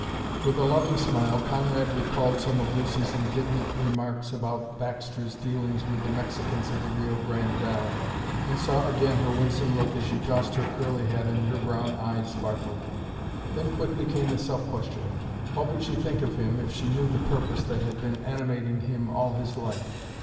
With a loving smile Conrad recalled some of Lucy's indignant remarks about Baxter's dealings with the Mexicans of the Rio Grande valley, and saw again her winsome look as she tossed her curly head and her brown eyes sparkled. Then quickly came the self questioning: What would she think of him if she knew the purpose that had been animating him all his life?